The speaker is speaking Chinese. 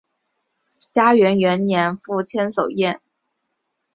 嘉庆元年赴千叟宴。